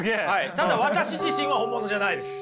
ただ私自身は本物じゃないです。